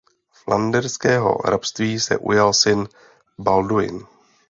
Flanderského hrabství se ujal syn Balduin.